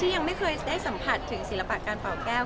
ยังไม่เคยได้สัมผัสถึงศิลปะการเป่าแก้ว